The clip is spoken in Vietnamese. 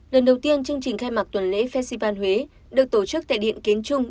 lần đầu tiên chương trình khai mạc tuần lễ festival huế được tổ chức tại điện kiến trung